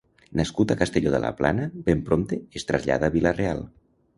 Nascut a Castelló de la Plana, ben prompte es trasllada a Vila-real.